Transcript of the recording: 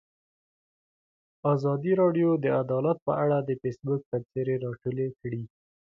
ازادي راډیو د عدالت په اړه د فیسبوک تبصرې راټولې کړي.